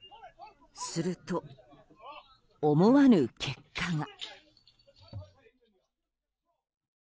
すると、思わぬ結果が。